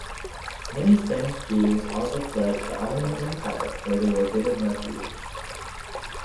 Many Spanish Jews also fled to the Ottoman Empire, where they were given refuge.